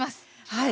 はい。